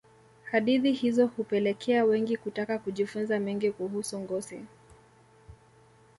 hadithi hizo hupelekea wengi kutaka kujifunza mengi kuhusu ngosi